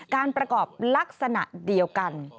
การประกอบลักษณะเดียวกัน